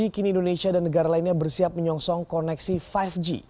kini indonesia dan negara lainnya bersiap menyongsong koneksi lima g